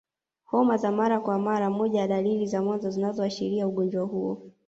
Homa za mara kwa mara moja ya dalili za mwanzo zinazoashiria ugonjwa huo